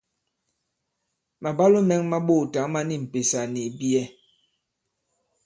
Màbwalo mɛ̄ŋ mā ɓoòtǎŋ ma ni m̀pèsà nì ìbiyɛ.